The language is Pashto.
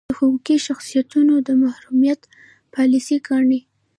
د حقوقي شخصیتونو د محرومیت پالیسي ګانې.